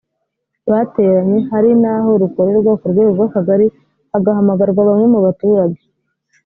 bateranye hari n aho rukorerwa ku rwego rw akagari hagahamagarwa bamwe mu baturage